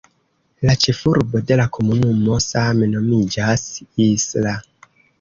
La ĉefurbo de la komunumo same nomiĝas "Isla".